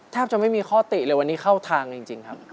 แทบจะไม่มีข้อติเลยวันนี้เข้าทางจริงครับ